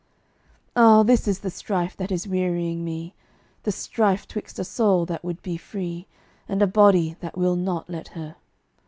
Ah! this is the strife that is wearying me The strife 'twixt a soul that would be free And a body that will not let her.